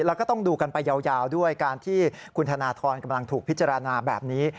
แล้วก็ต้องดูกันไปยาวด้วยการที่คุณธนทรกำลังถูกพิจารณาแบบนี้